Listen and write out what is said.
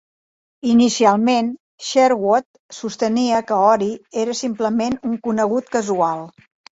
Inicialment, Sherwood sostenia que Ori era simplement un "conegut casual".